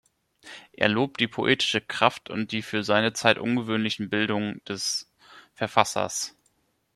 Er lobt die poetische Kraft und die für seine Zeit ungewöhnliche Bildung des Verfassers.